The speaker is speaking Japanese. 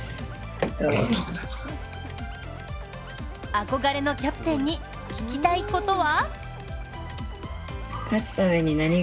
憧れのキャプテンに聞きたいことは？